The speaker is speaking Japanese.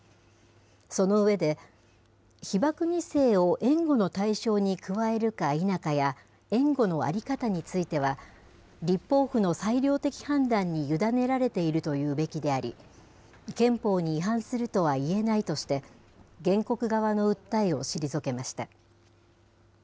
その上で、被爆２世を援護の対象に加えるか否かや、援護の在り方については、立法府の裁量的判断に委ねられているというべきであり、憲法に違反するとは言えないとして、原告側の訴えを退けました。